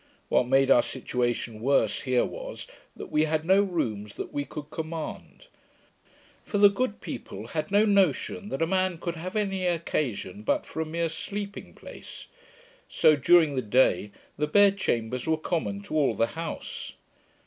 What made our situation worse here was, that we had no rooms that we could command; for the good people had no notion that a man could have any occasion but for a mere sleeping place; so, during the day, the bed chambers were common to all the house.